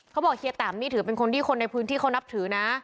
เฮียแตมนี่ถือเป็นคนที่คนในพื้นที่เขานับถือนะ